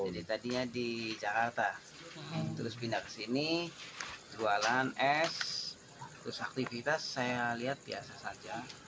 jadi tadinya di jakarta terus pindah kesini jualan es terus aktivitas saya lihat biasa saja